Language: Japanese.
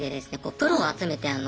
プロを集めてあの。